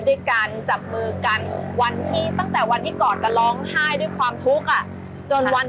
๗ล้านกว่าบาทเป็นราคาจีนแสน